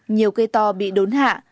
nhiều cây to bị đốn hạ